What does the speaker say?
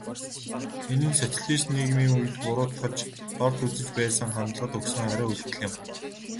Энэ нь социалист нийгмийн үед буруутгаж, дорд үзэж байсан хандлагад өгсөн хариу үйлдэл юм.